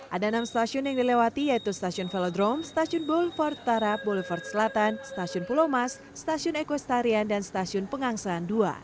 ada enam stasiun yang dilewati yaitu stasiun velodrome stasiun boulevard tara boulevard selatan stasiun pulau mas stasiun ekostarian dan stasiun pengangsan dua